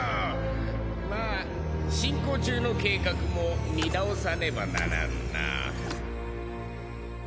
まあ進行中の計画も見直さねばならんな。